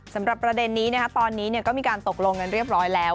สำหรับประเด็นนี้ตอนนี้ก็มีการตกลงกันเรียบร้อยแล้ว